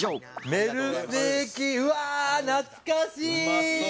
メルステーキ、懐かしい！